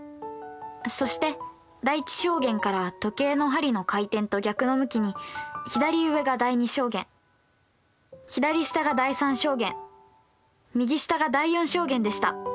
そして第１象限から時計の針の回転と逆の向きに左上が第２象限左下が第３象限右下が第４象限でした。